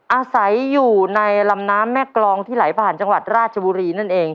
อาศัยอยู่ในลำน้ำแม่กรองที่ไหลผ่านจังหวัดราชบุรีนั่นเอง